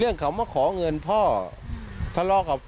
เรื่องเขามาขอเงินพ่อสะลอกกับพ่อ